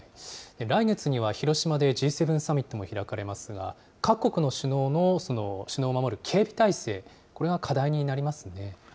来月には広島でＧ７サミットも開かれますが、各国の首脳を守る警備態勢、これが課題になりますね。